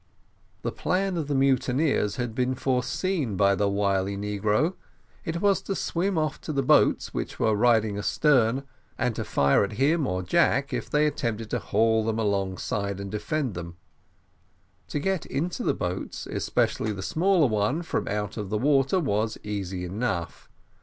The plan of the mutineers had been foreseen by the wily negro it was to swim off to the boats which were riding astern, and to fire at him or Jack, if they attempted to haul them up alongside and defend them. To get into the boats, especially the smaller one, from out of the water, was easy enough.